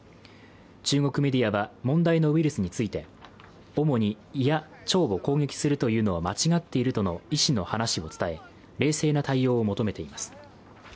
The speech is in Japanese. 中国メディアは問題のウイルスについて、主に胃や腸を攻撃するというのは間違っているとの医師の話を伝え冷静な対応を求めています。